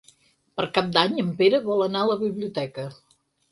Per Cap d'Any en Pere vol anar a la biblioteca.